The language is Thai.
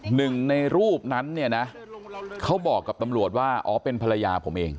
หนึ่งในรูปนั้นเนี่ยนะเขาบอกกับตำรวจว่าอ๋อเป็นภรรยาผมเอง